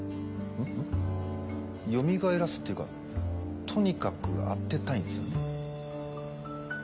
よみがえらすっていうかとにかく当てたいんですよね？